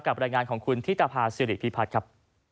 รายงานของคุณธิตภาษิริพิพัฒน์ครับ